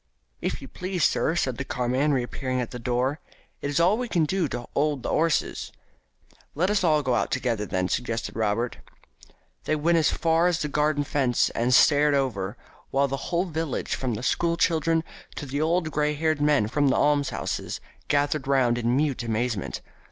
"If you please, sir," said the carman, reappearing at the door, "it's all as we can do to 'old in the 'osses." "Let us all go out together then," suggested Robert. They went as far as the garden fence and stared over, while the whole village, from the school children to the old grey haired men from the almshouses, gathered round in mute astonishment.